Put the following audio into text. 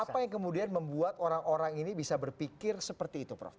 apa yang kemudian membuat orang orang ini bisa berpikir seperti itu prof